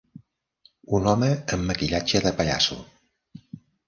Un home amb maquillatge de pallasso.